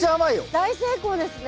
大成功ですね。